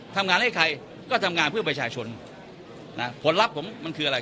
ทำงานให้ใครก็ทำงานเพื่อประชาชนนะผลลัพธ์ผมมันคืออะไร